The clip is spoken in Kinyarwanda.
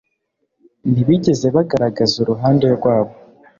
Ntibigeze bagaragaza uruhande rwabo